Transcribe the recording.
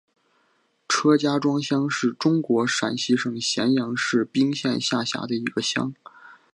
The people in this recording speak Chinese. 车家庄乡是中国陕西省咸阳市彬县下辖的一个乡。